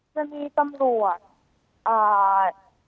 จะมีตำรวจ